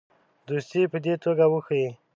دوستي په دې توګه وښیي.